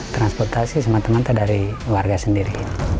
transportasi semata mata dari warga sendiri